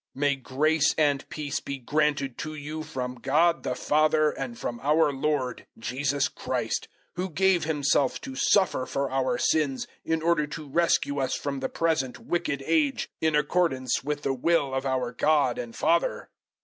001:003 May grace and peace be granted to you from God the Father, and from our Lord Jesus Christ, 001:004 who gave Himself to suffer for our sins in order to rescue us from the present wicked age in accordance with the will of our God and Father.